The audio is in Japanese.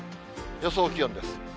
予想気温です。